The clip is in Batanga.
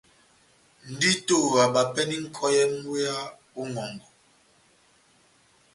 Ndito abapɛndi nʼkɔyɛ mú wéya ó ŋʼhɔngɔ.